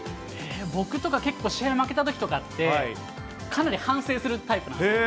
僕とか結構、試合に負けたときとかって、かなり反省するタイプなんですよね。